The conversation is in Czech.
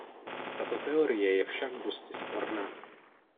Tato teorie je však dosti sporná.